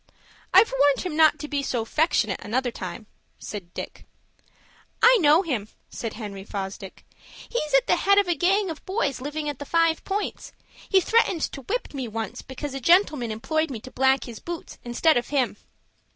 "I've warned him not to be so 'fectionate another time," said Dick. "I know him," said Henry Fosdick. "He's at the head of a gang of boys living at the Five Points. He threatened to whip me once because a gentleman employed me to black his boots instead of him."